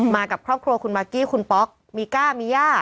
กับครอบครัวคุณมากกี้คุณป๊อกมีก้ามีย่า